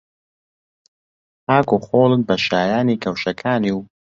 خاک و خۆڵت بە شایانی کەوشەکانی و